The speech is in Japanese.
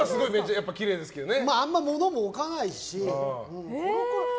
あんまり物も置かないし。